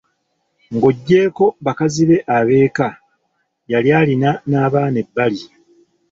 Ng'oggyeko bakazi be ab'eka, yali alina n'abaana ebbali.